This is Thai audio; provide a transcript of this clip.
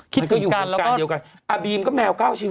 คิดคนเดียวกันนะ